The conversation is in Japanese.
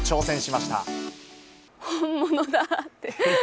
本物だーって。